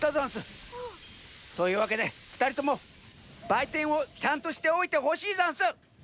というわけでふたりともばいてんをちゃんとしておいてほしいざんす！